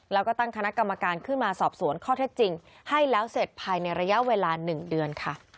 แล้วก็ตั้งคณะกรรมการขึ้นมาสอบสวนข้อเท็จจริงให้แล้วเสร็จภายในระยะเวลา๑เดือนค่ะ